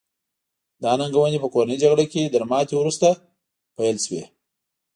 دا ننګونې په کورنۍ جګړه کې تر ماتې وروسته پیل شوې.